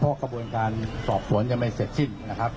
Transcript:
เพราะกระบวนการสอบสวนยังไม่เสร็จสิ้นนะครับ